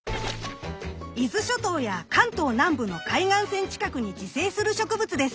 伊豆諸島や関東南部の海岸線近くに自生する植物です。